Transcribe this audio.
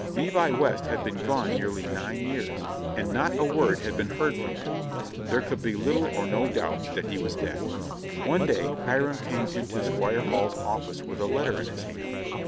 Levi West had been gone nearly nine years and not a word had been heard from him; there could be little or no doubt that he was dead. One day Hiram came into Squire Hall's office with a letter in his hand.